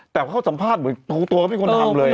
แต่เขาสัมภาษณ์เหมือนตัวเขาไม่ควรทำเลย